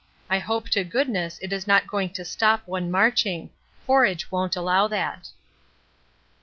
I hope to goodness it is not going to stop one marching; forage won't allow that.